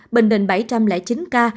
bình định bảy trăm linh chín ca